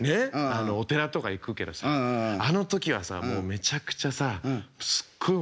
あのお寺とか行くけどさあの時はもうめちゃくちゃさあすっごい